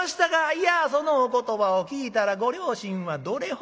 いやそのお言葉を聞いたらご両親はどれほどお喜びか。